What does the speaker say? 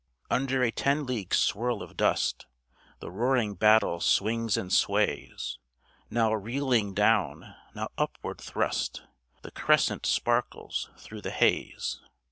Under a ten league swirl of dust The roaring battle swings and sways, Now reeling down, now upward thrust, The crescent sparkles through the haze.